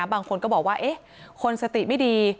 บางคนก็บอกว่าเอ๊ะคนสติไม่ดี